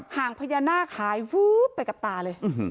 ห่างพญานาคหายวูบไปกับตาเลย